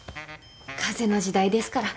風の時代ですから。